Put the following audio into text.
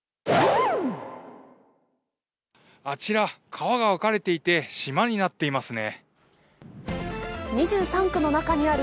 あちら、川が分かれていて島になっていますね。